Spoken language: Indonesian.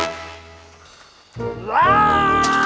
otot kawat terlalu musih